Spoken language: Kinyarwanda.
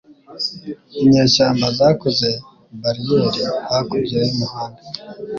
Inyeshyamba zakoze bariyeri hakurya y'umuhanda